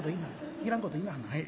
いらんこと言いなはんな」。